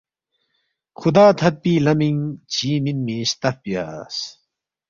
خدا تھدپی لمینگ چی مینمی ستف بیاس